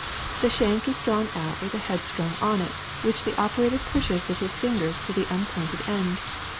The shank is drawn out with a head strung on it, which the operator pushes with his fingers to the unpointed end.